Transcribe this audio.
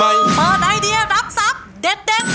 เปิดไอเดียรับทรัพย์เด็ด